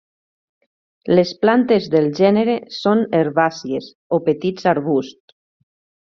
Les plantes del gènere són herbàcies o petits arbusts.